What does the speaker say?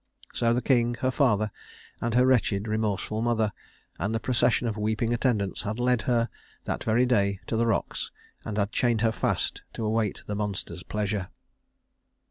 So the king, her father, and her wretched, remorseful mother, and a procession of weeping attendants had led her, that very day, to the rocks, and had chained her fast to await the monster's pleasure.